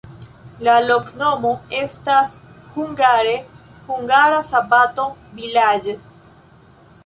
La loknomo estas hungare: hungara-sabato-vilaĝ'.